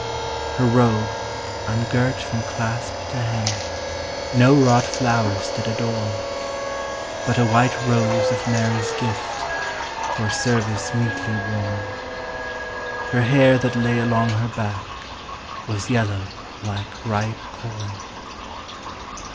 Her robe, ungirt from clasp to hem, No wrought flowers did adorn, But a white rose of Mary's gift, For service meetly worn ; Her hair that lay along her back Was yellow like ripe corn.